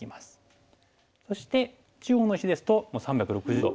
そして中央の石ですと３６０度。